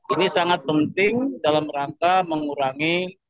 ini sangat penting dalam rangka mengurangi